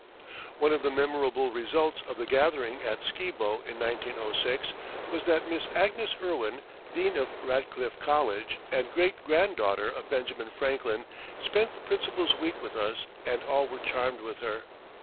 One of the memorable results of the gathering at Skibo in 1906 was that Miss Agnes Irwin, Dean of Radcliffe College, and great granddaughter of Benjamin Franklin, spent the principals' week with us and all were charmed with her.